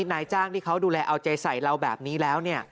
นายจ้างที่เขาดูแลเอาใจใส่เราแบบนี้แล้ว